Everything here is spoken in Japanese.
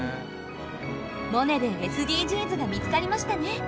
「モネ」でＳＤＧｓが見つかりましたね。